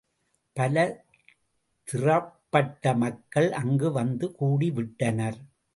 பல திறப்பட்ட மக்கள் அங்கு வந்து கூடிவிட்டனர்.